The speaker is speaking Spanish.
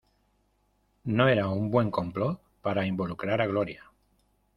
¡No era un buen complot para involucrar a Gloria!